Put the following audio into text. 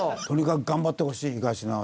とにかく頑張ってほしい東船橋。